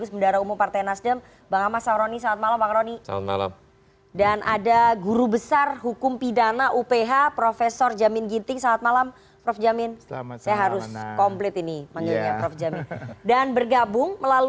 selamat malam mbak rifana